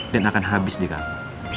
dan akan habis di kamu